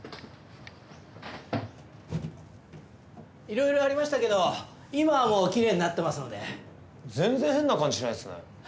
色々ありましたけど今はもうキレイになってますので全然変な感じしないっすね・